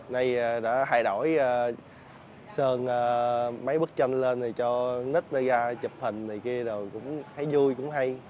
nay đã thay đổi sơn mấy bức tranh lên rồi cho nít nơi ra chụp hình này kia rồi cũng thấy vui cũng hay